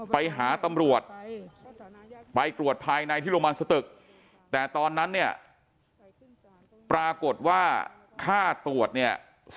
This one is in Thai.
ไปหาตำรวจไปตรวจภายในที่โรงพยาบาลสตึกแต่ตอนนั้นเนี่ยปรากฏว่าค่าตรวจเนี่ย